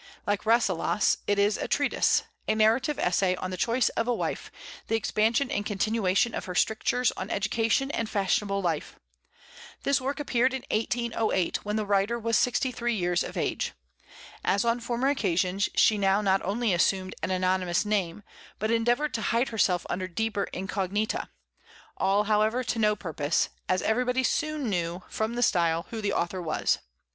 Like "Rasselas," it is a treatise, a narrative essay on the choice of a wife, the expansion and continuation of her strictures on education and fashionable life. This work appeared in 1808, when the writer was sixty three years of age. As on former occasions, she now not only assumed an anonymous name, but endeavored to hide herself under deeper incognita, all, however, to no purpose, as everybody soon knew, from the style, who the author was.